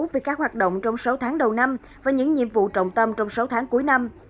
về các hoạt động trong sáu tháng đầu năm và những nhiệm vụ trọng tâm trong sáu tháng cuối năm